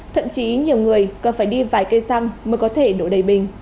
thậm chí nhiều người còn phải đi vài cây xăng mới có thể đổ đầy bình